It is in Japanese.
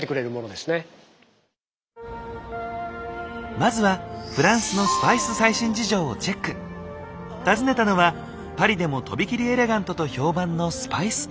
まずは訪ねたのはパリでも飛び切りエレガントと評判のスパイス店。